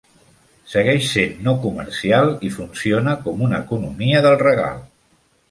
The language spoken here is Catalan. Segueix sent no comercial i funciona com una economia del regal.